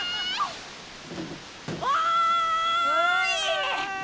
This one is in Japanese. おい！